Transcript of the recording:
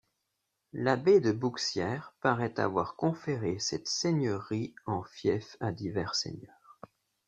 L'abbaye de Bouxières parait avoir conféré cette seigneurie en fief à divers seigneurs.